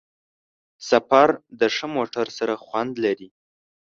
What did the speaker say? سفر د ښه موټر سره خوند لري.